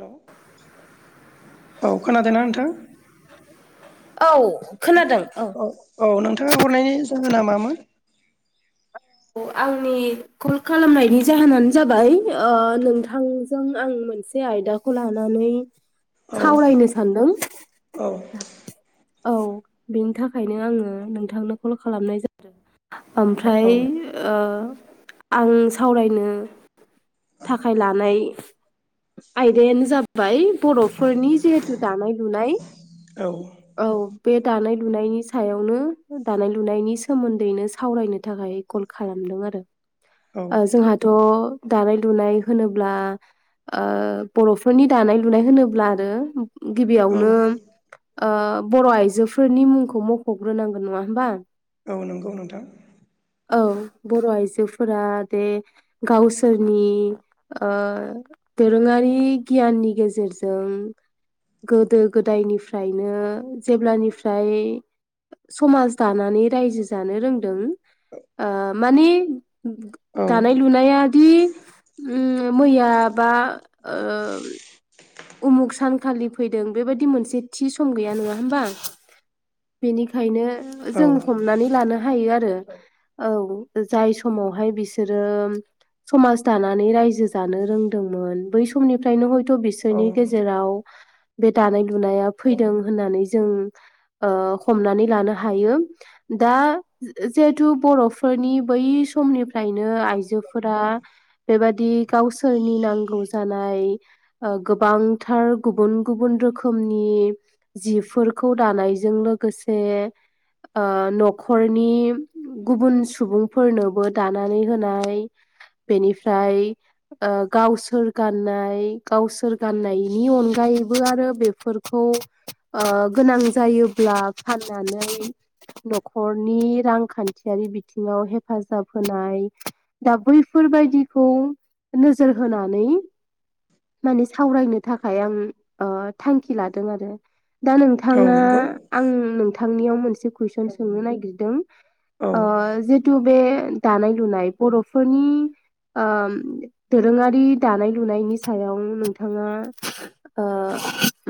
हेल' औ खोनादोंना नोंथां औ खोनादों औ औ नों थां हरनायनि जाहोना मामोन? आंनि कल खालामनायनि जाहोनानो जाबाय ओ नोंथांजों आं मोन से आयदाखौ लानानै औ सावरायनो सानदों। औ औ बेनि थाखायनो आङो नोंथांनो कल खालामनाय जादों। ओमफ्राय ओ आं सावरायनो थाखाय लानाय आयदानो जा बाय बर'फोरनि जिहेथु दानाय लुनाय औ औ बे दानाय लुनायनि सायावनो दानाय लुनायनि सोमोन्दैनो सावरायनो थाखाय कल खालामदों आरो औ जोंहाथ' दानाय लुनाय होनोब्ला ओ बर'फोरनि दानाय लुनाय होनोब्ला आरो औ गिबियावनो ओ बर' आइजोफोरनि मुंखौ मख'ग्रोनांगोन नङा होमबा? औ नंगौ नोंथां औ बर' आइजोफोरा दे गावसोरनि ओ दोरोङारि गियाननि गेजेरजों गोदो गोदायनिफ्रायनो जेब्लानिफ्राय समाज दानानै रायजो जानो रोंदों ओ माने औ दानाय लुनाय दि उम मैयाबा ओ उम उमुक सानखालि फैदों बेबायाददि मोनसे थि सम गैया नङा होमबा? बेनिखायनो औ जों हमनानै लानो हायो आरो औ जाय समावहाय बिसोरो समाज दानानै रायजो जानो रोंदोंमोन बै समनिफ्रायनो हयथ' औ बिसोरनि गेजेराव बे दानाय लुनाया फैदों होननानै जों ओ हमनानै लानो हायो दा जिहेथु बर'फोरनि बै समनिफ्रायनो आइजोफोरा बेबादि गावसोरनि नांगौ जानाय गोबांथार गुबुन गुबुन रोखोमनि जिफोरखौ दानायजों लो गोसे आ न'खरनि गुबुन सुबुंफोरनोबो दानानै होनाय बेनिफ्राय ओ गावसोर गाननाय गावसोर गाननायनि अनगायैबो आरो बेफोरखौ आ गोनां जायो बे ब्ला फाननानै न'खरनि रांखान्थियारि बिथिङाव हेफाजाब होन नाय दा बैफोरबायदिखौ नोजोर होनानै माने सावरायनो थाखाय आं आ थांखि लादों आरो। दा औ नोंथाङा नंगौ आं नोंथांनियाव मोनसे कुइसन सोंनो नागिरदों। औ आ जितु बे दानाय लुनाय बर'फोरनि आम दोरोङारि दानाय लुनायनि सायाव नोंथाङा ओ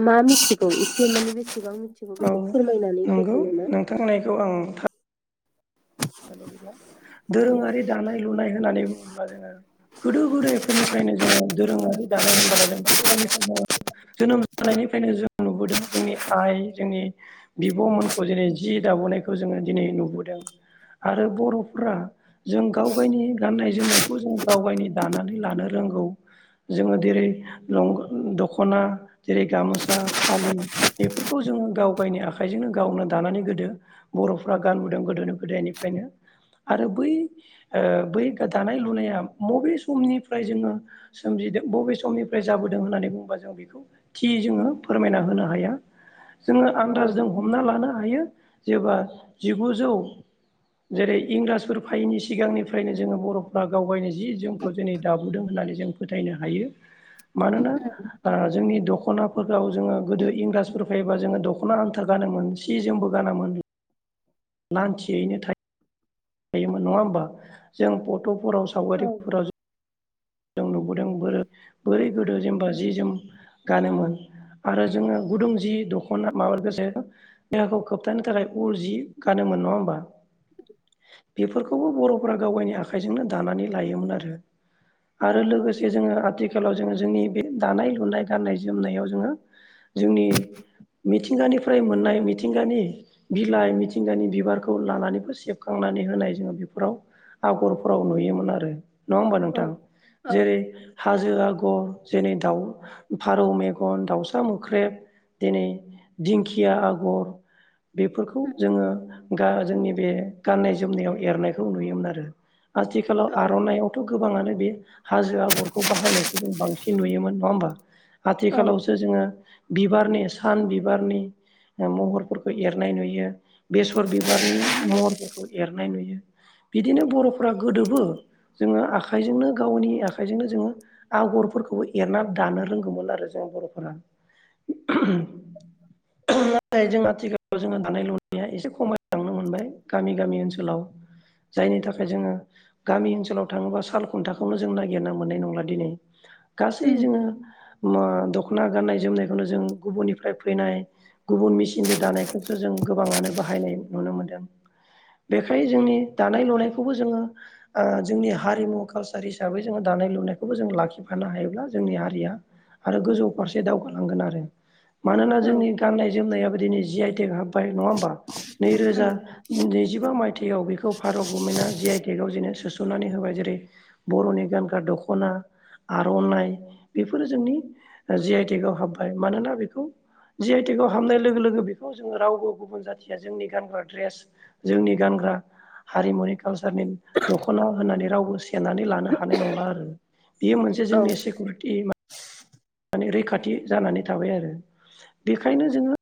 मा मिथिगौ एसे माने बेसेबां चिगौ औ बेखौ फोरमायनानै नंगौ होदोनो ना। नोंथां होननायखौ आं हेल' बिदा दोरोङारि दानाय लुनाय होननानै बुङोब्ला जोङो गोदो गोदायफोरनिफ्रायनो जोङो दोरोङारि दानाय होमबाला जों गोदोफायनिफ्रायनो जोनोम जानायनिफ्रायनो जो नुबोदों जोंनि आइ जोंनि बिब'मोनखौ जेरै जि दाब'नायखो जोङो दिनै नुबोद एं आरो बर'फ्रा जों गाव गायनि गाननाय जोमनायखौ जों गाव गायनि दानानै लानो रोंगौ। जोङो देरै लं दख'ना जेरै गामोसा फालिं बेफोरखौ जों गाव गायनि आखाइजोंनो गावनो दानानै गोदो बर'फ्रा गानबोदों गोदोनि गोदायनिफ्रायनो। आरो बै ओ बै गादानाय लुनाया बबे समनिफ्राय जोङो सोमजि बबे समनिफ्राय जाबोदों होननानै बुङोबा जों बेखौ थि जोङो फोरमायना होनो हाया जोङो औ आन्दारजों हमना लानो हायो जेबा जिगुजौ जेरै इंराजफोर फायैनि सिगांनिफ्रायनो जोङो बर'फ्रा गावगायनो जि जोमखौ दिनै दाबोदों होननानै जों फोथायनो हायो मानोना आ जोंनि दख खनाफोदाव जोङो गोदो इंराजफोर फैबा जोङो दख'ना आथार गानोमोन सिजोमबो गानामोन नानथियैनो थाय थायोमोन नङा होमबा जों फट'फोराव औ सावगारिफोराव जों नुबोदों बोरो बोरै गोदो जेनबा जि जोम गानोमोन आरो जोङो गुदुं जि दख'ना माबानिफ्रायसो देहाखौ खोबथानो थाखाय उर जि गानो मोन नोङा होमबा? बेफोरखौबो बर'फोरा गावायनि आखाइजोंनो दानानै लायोमोन आरो। आरो लोगोसे जोङो आथिखालाव जोङो जोंनि बे दानाय लुनाय गाननाय जोमनायाव जोङो जोंनि मिथिंगानिफ्राय मोननाय मिथिंगानि बिलाइ मिथिंगानि बिबारखौ लानानैबो सेबखांना नानै होनाय जोङो बेफोराव आगरफोराव नुयोमोन आरो। नङा होमबा औ नोंथां औ जेरै हाजो आग' जेरै दउ फारौ मेगन दाउसा मोख्रेब दिनै दिंखिया आगर बेफोरखौ जोङो गा जोंनि बे गाननाय जोमनायाव एरनायखौ नुयोमोन आरो। आथिखालाव औ आर'नायइावथ' गोबाङानो बे हाजो आगरखौ बाहायनायखौ जों बांसिन नुयोमोन नङा होमबा औ आथिखालावसो जोङो बिबारने सान बिबारनि महरफोरखौ एरनाय नुयो बेसर बिबारनि महरफोरखौ एरनाय नुयो बिदिनो बर'फ्रा गोदोबो जोङो आखाइजोंनो गावनि आखाइजोंनो जोङो आगरफोरखौबो एरना दानो रोंगौमोन आरो जों बर'फोरा। नाथाय जों आथिखालाव जोङो दानाय लुनाया एसे खमायलां नुमोनबाय गामि गामि ओनसोलाव जायनि थाखाय जो गामि ओनोलाव थाङोबा साल खुन्थाखौनो जों नागिरनो मोननाय नंला दिनै गासै उम जोङो मा दख'ना गाननाय जोमनायखोनो जों गुबुननिफ्राय फैनाय गुबुन मेचिनजों दानायखौसो जों गोबाङानो बाहायनाय नुनो मोन्दों बेखायनो जोंनि दानाय लुनायखौबो जोंङो ओ जोंनि हारिमु कालसार हिसाबै जोङो दानाय लुनायखौबो जों लाखिफानो हायोब्ला जोंनि हारिया आरो गोजौ फारसे दावगालांगोन आरो मानोना औ उम जोंनि गाननाय जोमनायाबो दिनै जि आइ टेक हाब नंङा होमबा नैरोजा नैजिबा मायथाइ थियाव बेखौ भारत गभमेन्टआ जि आइ टेक जेनो सोसननानै होबाय जेरै बर'नि गानग्रा दखना आर'नाइ बेफोरो जोंनि जि आइ टेक आव हाबबाय मानोना बेखौ जि आइ टि खौ हाबनाय लोगो लोगो बेखौ जोङो रावबो गुबुन जाथिया जोंनि गानग्रा द्रेस जोंनि गानग्रा ग्रा हारिमुनि कालसारनि दखना होननानै रावबो से सेनानै लानो हानाय नंला आरो बेयो मोनसे औ जोंनि सिकिउरिटि माने रैखाथि जानानै थाबाय आरो बेखायनो जोंङो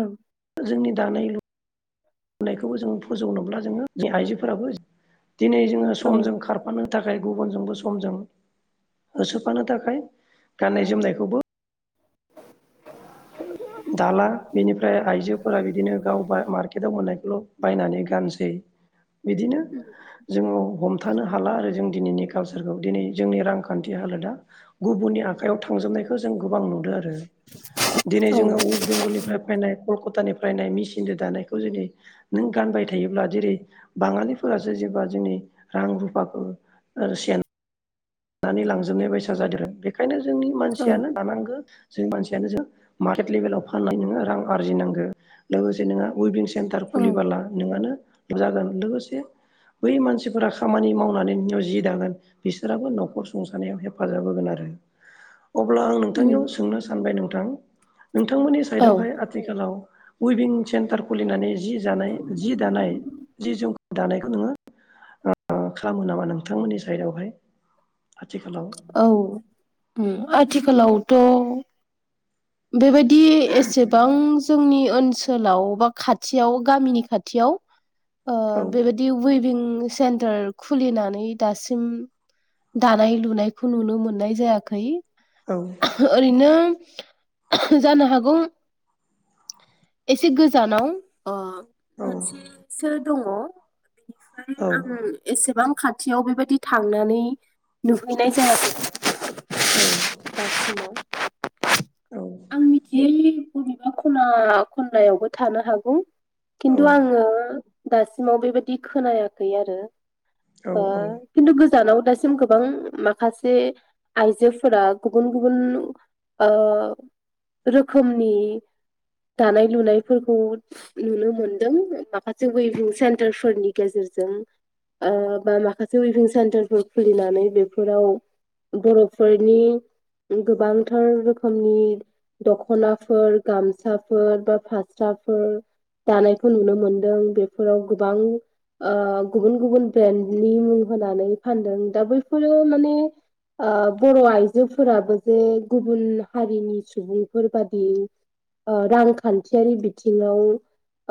औ जोंनि दानाय लु नायखौबो जों फोजौनोब्ला जोङो आइजोफोराबो दिनै जोङो औ समजों खारफानो थाखाय गुबुनजोंबो समजों होसोफानो थाखाय गाननाय जोमनायखौबो दाला बेनिफ्राय आइजो फोर बिदिनो गाव बा मार्केटाव मोननायखौल' बायनानै गानसै बिदिनो जोंङो हमथानो हाला आरो जों दिनैनि कालसार खौ दिनै जोंनि रांखान्थि हालोदा गुबनि आखायाव थांजोबनायखौ जों गोबां नुदों आरो दिनै जोङो वेस्ट बेंगलनिफ्राय फैनाय कलकातानिफ्राय नायनि मिसिनजों दानायखौ जेरै नों गानबाय थायोब्ला जेरै बाङालिफोरासो जेनबा जोंनि रां रुफाखौ ओ सेेन लानानै लांजोबनाय बायसा जादों बेखायनो जोंनि मानसियानो लानांगौ जों मानसियानो जों मारकेट लेभेलाव फानना नोंङो रां आरजिनांगौ लोगोसे नों वेभिं सेन्टार खुलिबोला नोंङो जागोन लोगोसे बै मानसिफोरा खामानि मावनानै जोंनियाव जि दागोन बिसोराबो नखर खुंनायाव हेफाजाब होगोन आरो अब्ला आं उम नोंथांनियाव सोंनो सानबाय नों थां नोंथांमोननि औ साइडआवहाय आथिखालाव उइभिं सेन्टार खुलिनानै जि जानाय जि दानाय जि जौ दानायखौ नोंङो ओ खालामो नामा नोंथांमोननि साइडावहाय औ उम आथिखालावथ' बेबायदि एसेबां जोंनि ओनसोलाव बा खाथियाव गामिनि खाथियाव ओ औ बेबायदि उइभिं सेन्टार खुलिनानै दासिम दानाय लुनायखौ नुनो मोननाय जायाखै औ ओरैनो जानो हागौ एसे गोजानाव औ मोनसेसो दङ बेनिफ्राय औ आं एसेबां खा खाथियाव बेबायदि थांनानै नुहैनाय जायाखै औ [unintelligible] औ आं मिथियै बबेबा खना खनलायावबो थानो हागौ खिन्थु आंङो दासिमाव बेबायदि खोनायाखै आरो औ ओ औ खिन्थु गो जानाव दासिम गोबां माखासे आइजोफोरा गुबुन गुबुन ओ रोखोमनि दानाय लुनायफोरखौ नुनो मोनदों माखासे वेभिं सेन्टारफोरनि गेजेरजों ओ बा माखासे वेभिं सेन्टारफोर खुलिनानै बेफोराव बर'फोरनि गोबांथार रोखोमनि दख'नाफोर गामसाफोर बा फास्राफोर दानायखौ नुनो मोनदों बेफोराव गोबां ओ गुबुन गुबुन ब्रेन्डनि मुं होनानै फानदों दा बैफोरो माने ओ बर' आइजोफोराबो जे गुबुन हारिनि सुबुंफोर बादि ओ रांखान्थियारि बिथिंङाव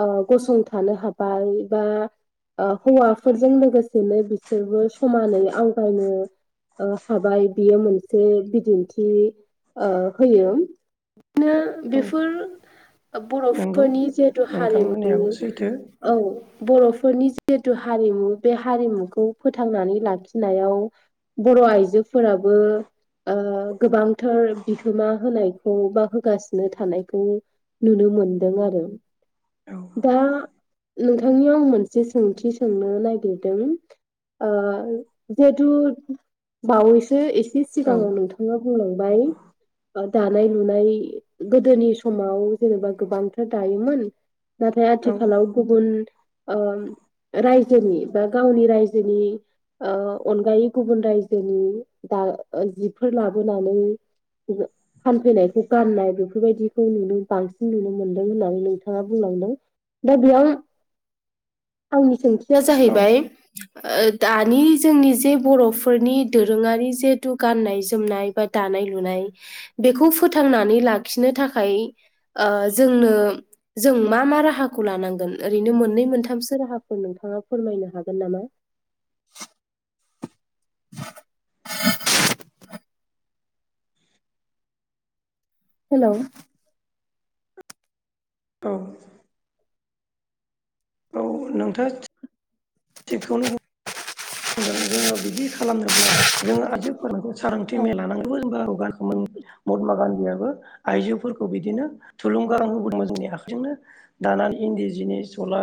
ओ गसंथानो हाबाय बा ओ हौवाफोरजों लोगोसेनो बिसोरबो समानै आवगायनो ओ हाबाय बियो मोनसे बिदिन्थि होयो बिदिनो औ बेफोर नंगौ बर'फोरनि जिहेतु नोंथां हारिमु होननायाबो सैथो औ बर' फोरनि जिहेतु हारिमु बे हारिमुखौ फोथांनानै लाखिनायाव बर' आइजोफोराबो गोबांथार बिहोमा होनाय खौ बा होगासिनो थानायखौ नुनो मोनदों आरो औ दा नोंथांनि आं मोनसे सोंथि सोंनो नागिरदों ओ जिहेथु बावैसो एसे औ सिगाङाव नोंथांआ बुंलांबाय दा दानाय लुनाय गोदोनि समाव जेनेबा गोबांथार दायोमोन नाथाय औ आथिखालाव गुबुन ओ रायजोनि बा गावनि रायजोनि अनगायै गुबुन रायजोनि दा जिफोर लाबोनानै बिबो फानफैनायखौ गाननाय बेफोरबायदिखौ नुनो बांसिन नुनो मोनदों होननानै नोंथाङा बुंलांदों दा बेयाव आंनि सोंथिया औ जाहैबाय ओ दानि जोंनि जे बर'फोरनि दोरोङारि जिहेथु गाननाय जोमनाय बा दानाय दानाय लुनाय बेखौ फोथांनानै लाखिनो थाखाय ओ जोंनो जों मा मा राहाखौ खौ लानांगोन ओरैनो मोननै मोनथामसो राहाफोर नोंथाङा फोरमायनो हागोन नामा हेल' औउ औ नोंथांङा थिगखौनो बुं बुंदों जोङो बिदि खालामनोब्ला जोङो आइजोफोरा सांगांथि औ मेल लानांगौ होनबा महात्मा गान्धियाबबो आइजोफोरखौ बिदिनो थुलुंगा होबोदोंमोन जोंनि आखाइजोंनो दानानै इन्दि जिनि सला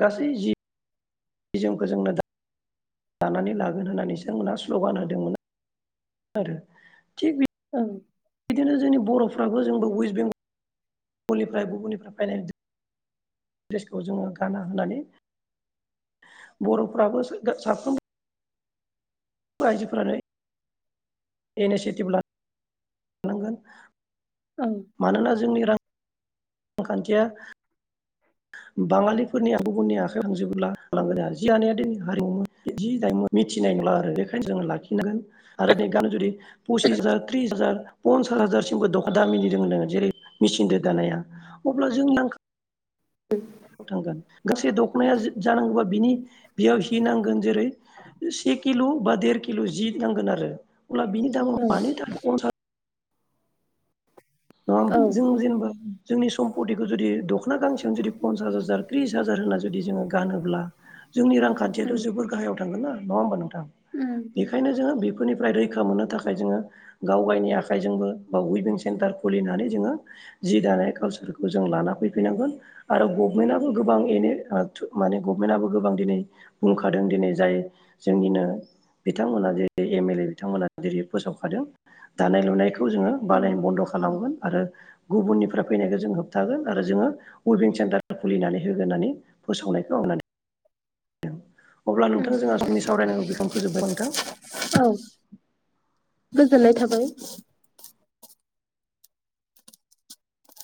गासै जि जि जोमखौ जोंनो लानानै लागोन होननानै सोरमोनहा स्ल'गान होदोंमोन आरो थिग औ बिदिनो जोंनि बर'फ्राबो जोंबो वेस्ट बेंगलगलनिफ्राय गुबुननिफ्राय बानायनाय द्रेसखौ जोङो गाना होनानै बर'फ्राबो साफ्रोम आयजो फोरानो इनिसिटिभ लानांगोन औ मानोना जोंनि रां रांखान्थिया बाङालिफोरनिबा गुबुननि आखाइ थांजोब बोला गोमालांगोन आरो जि दानाया दिरोंयानि हारिमु जि दाय मिथिनाय बेखौ जोङो लाखिनांगोन आरो दा नै फसिस हाजार र्थिस हाजार सत हाजारसिमबो दखाना दामिनि होननांगोन जेरै मेचिनजों दानाया अब्ला जों नां थांगोन गासै दख'नाया जानांगौबा बिनि बेयाव हि नांगोन जेरै से किल' बा देर किल' जि नांगोन आरो गला बिनि दामाव औ मानि दाम पन्सास नङा औ जों जेनेबा जोंनि सम्पतिखौ जुदि द खना गांसेजों जुदि पन्सास हाजार त्रिस हाजार होना जुदि जोङो गानोब्ला जोंनि उम रांखान्थियाथ' जोबोर गाहायाव थांगोन ना नङा होमबा नोंथां उम बेखायनो जोङो फोरनिफ्राय रैखा मोननो थाखाय जोङो गाव गायनि आखाइजोंबो बा उइबिं सेन्टार खुलिनानै जोङो जि दानाय कालसारखौ जों लाना फैफैनांगोन आरो गभनमेन्टबो गोबां एन [unintelligible] माने गभनमेन्टआबो गोबां दिनै बुंखादों दिनै जाय जोंनिनो बिथांमोना जेरै एम एल ए बिथांमोना जेरै फोसावखादों दानाय लुनायखौ बे जोङो उम बानायनो बन्द' खा मोन आ गुबुननिफ्राय फैनायखौ जों होबथागोन आरो जोङो वेभिं सेन्टार खुलिनानै होगोन होननानै फोसावनायखौ आं माने अब्ला उम नोंथां जोंहा जोंनि सावरायनायखो फोजोबबाय नोंथां औ गोजोननाय थाबाय